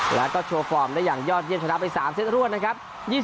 แล้วก็โชว์ฟอร์มได้อย่างยอดเยี่ยมชนะไป๓เซตรวดนะครับ